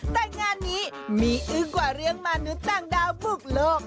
แต่งานนี้มีอึ้งกว่าเรื่องมนุษย์ต่างดาวบุกโลก